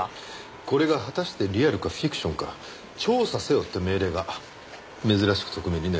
これが果たしてリアルかフィクションか調査せよって命令が珍しく特命にね。